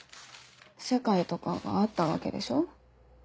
世界とかがあったわけでしょ。